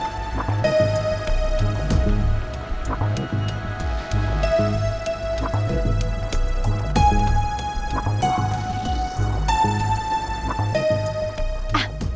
sampai jumpa lagi